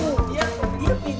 uh dia pinak tim